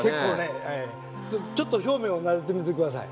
ちょっと表面をなでてみて下さい。